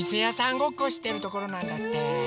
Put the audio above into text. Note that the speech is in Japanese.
ごっこしてるところなんだって。